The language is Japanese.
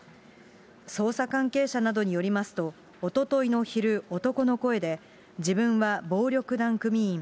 捜査関係者などによりますと、おとといの昼、男の声で、自分は暴力団組員。